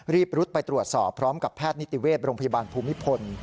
รุดไปตรวจสอบพร้อมกับแพทย์นิติเวชโรงพยาบาลภูมิพล